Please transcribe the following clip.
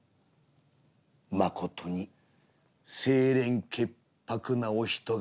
まことに清廉潔白なお人柄」。